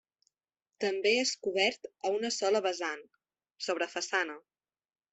També és cobert a una sola vessant, sobre façana.